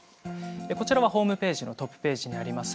こちらはホームページのトップページにあります